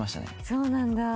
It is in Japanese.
そうなんだ。